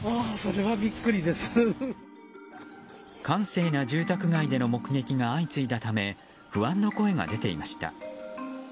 閑静な住宅街での目撃が相次いだため不安の声が出ていました。